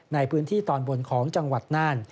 ในพื้นที่ตอนบนของจังหวัดน่าน